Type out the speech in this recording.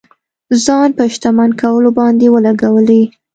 ځان په شتمن کولو باندې ولګولې.